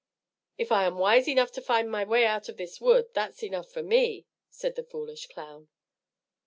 "If I am wise enough to find my way out of this wood, that's enough for me," said the foolish clown.